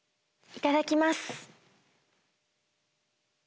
いただきます。